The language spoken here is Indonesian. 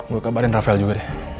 gue kabarin rafael juga